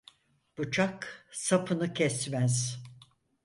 Bıçak sapını kesmez.